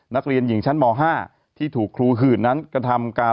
นักเรียนหญิงชั้นม๕ที่ถูกครูหื่นนั้นกระทำการ